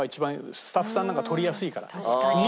スタッフさんなんか取りやすいから。